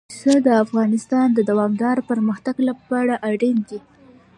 پسه د افغانستان د دوامداره پرمختګ لپاره اړین دي.